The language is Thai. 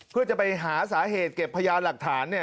เพื่อจะไปหาสาเหตุเก็บพยานหลักฐาน